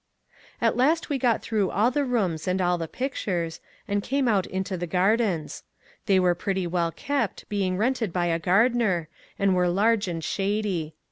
At last we got through all the rooms and all the pictures, and came out into the gardens. They were pretty well kept, being rented by a gardener, and were large and shady.